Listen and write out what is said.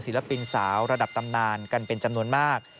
ศิลปินสาวระดับตำนานกันเป็นจำนวนมาก